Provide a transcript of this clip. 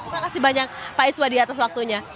terima kasih banyak pak iswadi atas waktunya